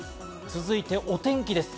続いてお天気です。